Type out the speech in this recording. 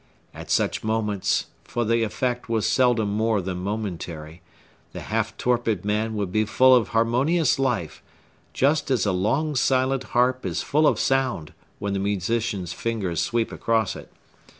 At such moments,—for the effect was seldom more than momentary,—the half torpid man would be full of harmonious life, just as a long silent harp is full of sound, when the musician's fingers sweep across it.